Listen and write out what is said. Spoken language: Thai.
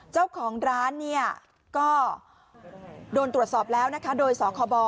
เจ้าของร้านเนี่ยก็โดนตรวจสอบแล้วนะคะโดยสคบ